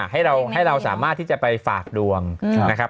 ให้เราสามารถที่จะไปฝากดวงนะครับ